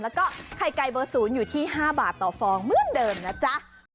แล้วก็ไข่ไก่เบอร์๐อยู่ที่๕บาทต่อฟองเหมือนเดิมนะจ๊ะ